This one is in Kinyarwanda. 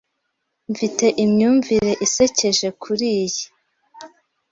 Mfite imyumvire isekeje kuriyi.